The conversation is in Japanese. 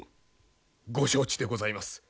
ご承知でございます。